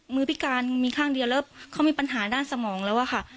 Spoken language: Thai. พิการมีข้างเดียวแล้วเขามีปัญหาด้านสมองแล้วอะค่ะ